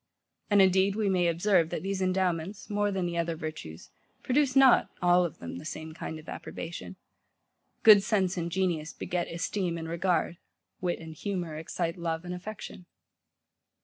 And, indeed, we may observe, that these endowments, more than the other virtues, produce not, all of them, the same kind of approbation. Good sense and genius beget esteem and regard: wit and humour excite love and affection.